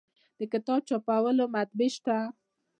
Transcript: د کتاب چاپولو مطبعې شته